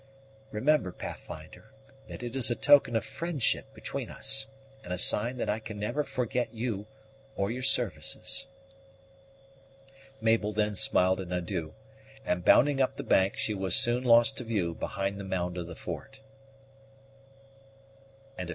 Remember, Pathfinder, that it is a token of friendship between us, and a sign that I can never forget you or your services." Mabel then smiled an adieu; and, bounding up the bank, she was soon lost to view behind the mound of the fort. CHAPTER XII.